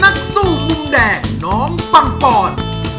นักสู้มุมแดงน้องปังปอน